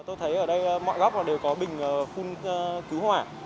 tôi thấy ở đây mọi góc đều có bình phun cứu hỏa